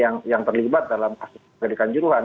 yang apa namanya yang terlibat dalam kasus tragedikan juruhan